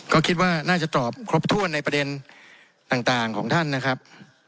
ก็คิดว่าน่าจะตอบครบถ้วนในประเด็นต่างของท่านนะครับ